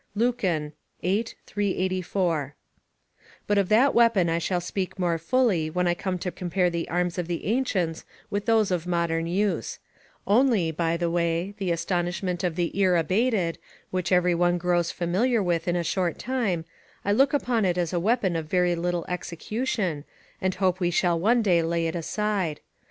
Lucan, viii. 384.] But of that weapon I shall speak more fully when I come to compare the arms of the ancients with those of modern use; only, by the way, the astonishment of the ear abated, which every one grows familiar with in a short time, I look upon it as a weapon of very little execution, and hope we shall one day lay it aside.